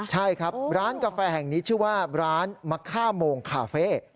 ใช่ครับร้านกาแฟแห่งนี้ชื่อว่าร้านมะค่าโมงคาเฟ่